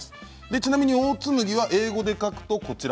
ちなみにオーツ麦は英語で書くとこちら。